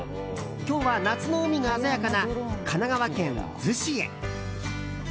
今日は夏の海が鮮やかな神奈川県逗子へ。